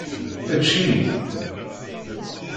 Ečč-iyi.